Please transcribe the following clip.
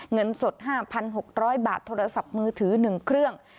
เงินสดห้าพันหกร้อยบาทโทรศัพท์มือถือหนึ่งเครื่อง